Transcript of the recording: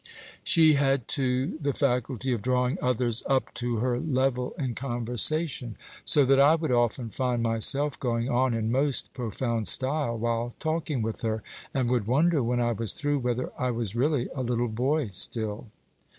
She had, too, the faculty of drawing others up to her level in conversation, so that I would often find myself going on in most profound style while talking with her, and would wonder, when I was through, whether I was really a little boy still.